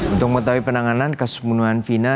untuk mengetahui penanganan kasus pembunuhan vina